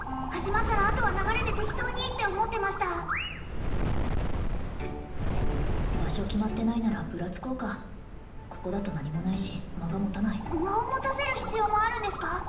始まったらあとは流れで適当にって思ってました場所決まってないならぶらつこうかここだと何もないし間が持たない間を持たせる必要もあるんですか？